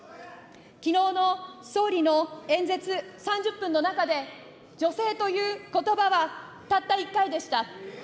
きのうの総理の演説３０分の中で、女性ということばはたった１回でした。